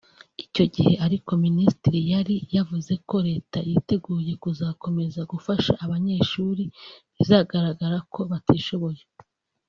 Icyo gihe ariko minisitiri yari yavuze ko leta yiteguye kuzakomeza gufasha abanyeshuri bizagaragara ko batishoboye